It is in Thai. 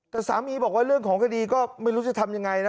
แต่สามีบอกว่าเรื่องของคดีก็ไม่รู้จะทำยังไงนะ